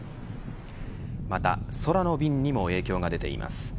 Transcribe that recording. また空の便にも影響が出ています。